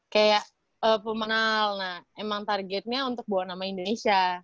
kayak pemenang emang targetnya untuk bawa nama indonesia